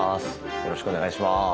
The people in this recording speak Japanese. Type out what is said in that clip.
よろしくお願いします。